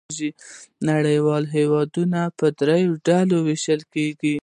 نړیوال هېوادونه په درې ډولونو وېشل شوي.